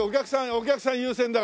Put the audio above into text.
お客さん優先だから。